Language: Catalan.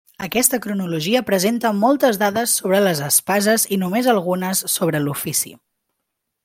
Aquesta cronologia presenta moltes dades sobre les espases i només algunes sobre l’ofici.